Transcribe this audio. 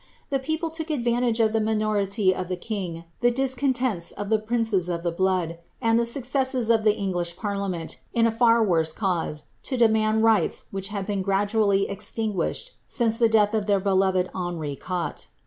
The people took advantage of the minority of the king, the discontents of the princes of the blood, and the successes of the English parliament, in a far worse cause, to demand rights which had been gradually extinguished since the death of their beloved Henri Q,uatre.